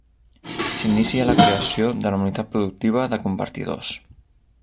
S'inicia la creació de la unitat productiva de convertidors.